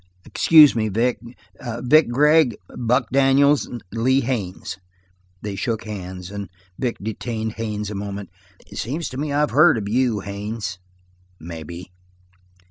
"Excuse me, Vic. Vic Gregg, Buck Daniels, Lee Haines." They shook hands, and Vic detained Haines a moment. "Seems to me I've heard of you, Haines." "Maybe."